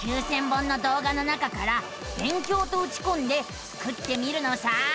９，０００本の動画の中から「勉強」とうちこんでスクってみるのさあ。